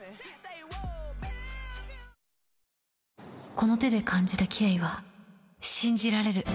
この手で感じたキレイは信じられる。